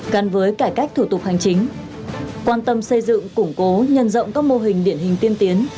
gắn với cải cách thủ tục hành chính quan tâm xây dựng củng cố nhân rộng các mô hình điển hình tiên tiến